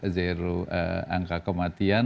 zero angka kematian